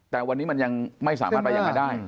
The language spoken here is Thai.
แต่วันนี้มันยังไม่สามารถไปยังไงได้